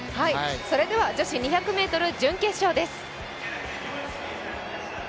それでは女子２００ｍ準決勝です。